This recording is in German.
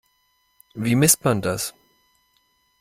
Wie misst man das?